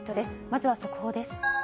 まずは速報です。